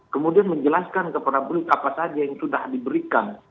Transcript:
kemudian menjelaskan kepada publik apa saja yang sudah diberikan